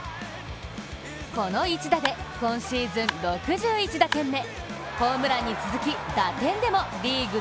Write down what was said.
この１打で今シーズン６１打点目。